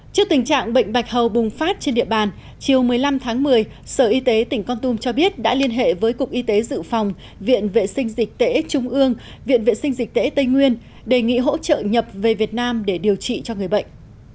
trước tình trạng bệnh bạch hầu bùng phát trên địa bàn chiều một mươi năm tháng một mươi sở y tế tỉnh con tum cho biết đã liên hệ với cục y tế dự phòng viện vệ sinh dịch tễ trung ương viện vệ sinh dịch tễ tây nguyên đề nghị hỗ trợ nhập về việt nam để điều trị cho người bệnh